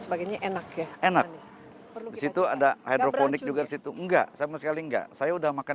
sebagainya enak ya enak disitu ada hidroponik juga disitu enggak sama sekali enggak saya udah makan